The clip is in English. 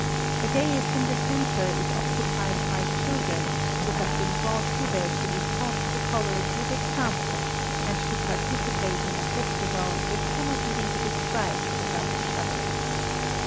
A daïs in the centre is occupied by children, who have been brought hither to be taught to follow a good example and to participate in a festival which cannot even be described without a shudder.